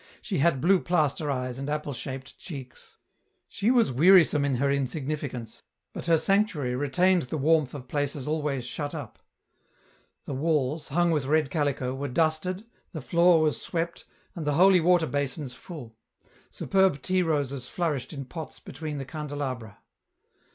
She had blue plaster eyes and apple shaped cheeks. She was wearisome in her insignificance; EN ROUTE. 277 but her sanctuary retained the warmth of places always shut up. The walls, hung with red calico, were dusted, the floor was swept, and the holy water basins full ; superb tea roses flourished in pots between the candelabra.